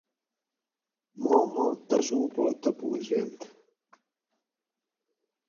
ماں ما تسوں پا تپوس وینتھ